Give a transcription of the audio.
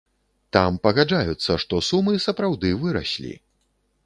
Там пагаджаюцца, што сумы сапраўды выраслі.